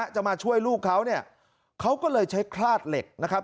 จะมาช่วยลูกเขาเนี่ยเขาก็เลยใช้คลาดเหล็กนะครับ